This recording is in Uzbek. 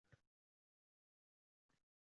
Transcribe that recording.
Iltimos, roʻyxatdan oʻtish formasini toʻldiring.